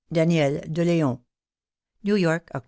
Daniel De Leon. New York, Oct.